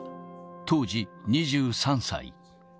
当時２３歳。